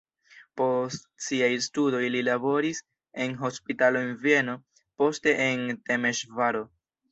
Post siaj studoj li laboris en hospitalo en Vieno, poste en Temeŝvaro.